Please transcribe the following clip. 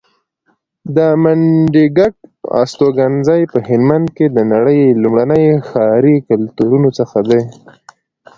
د منډیګک استوګنځی په هلمند کې د نړۍ لومړني ښاري کلتورونو څخه دی